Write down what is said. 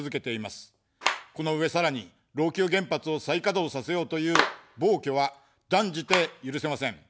この上さらに老朽原発を再稼働させようという暴挙は断じて許せません。